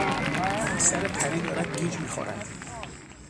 سر پری دارد گیج میخورد.